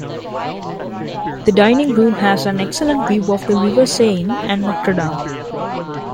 The dining room has an excellent view of the river Seine and Notre Dame.